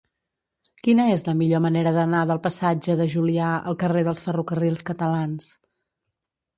Quina és la millor manera d'anar del passatge de Julià al carrer dels Ferrocarrils Catalans?